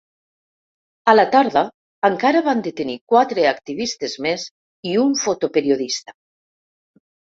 A la tarda, encara van detenir quatre activistes més i un fotoperiodista.